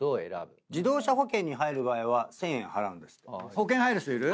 保険入る人いる？